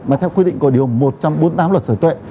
mà theo quy định của điều một trăm bốn mươi tám luật sở tuệ